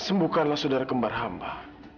sembuhkanlah saudara kembar hamba